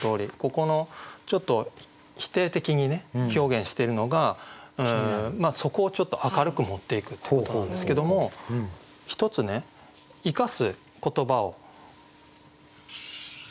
ここのちょっと否定的に表現してるのがそこをちょっと明るく持っていくっていうことなんですけども１つね生かす言葉を。